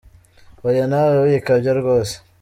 Hoya nawe wikabya rwose